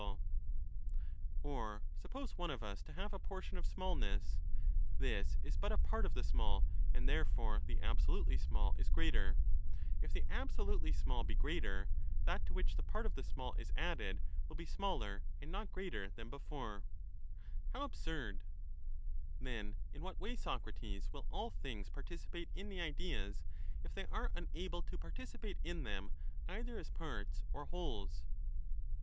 become Or suppose one of us to have a portion of smallness ; this great or is but a part of the small, and therefore the absolutely small ^^j ^ is greater ; if the absolutely small be greater, that to which addition of the part of the small is added will be smaller and not greater 1^^ than before. or equality How absurd I ^^" ness. Then in what way, Socrates, will all things participate in the ideas, if they are unable to participate in them either as parts or wholes